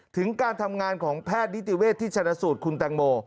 ถึงการทำงานของแพทย์นิติเวศที่ชนะสูตรคุณแตงโม